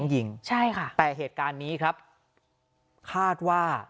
ยิงใช่ค่ะแต่เหตุการณ์นี้ครับคาดว่า